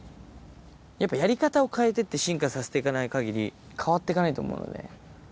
やっぱやり方を変えてって進化させていかないかぎり、変わっていかないと思うので。